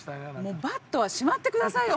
もうバットはしまってくださいよ